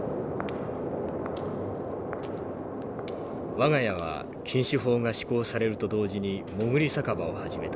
「我が家は禁酒法が施行されると同時にもぐり酒場を始めた。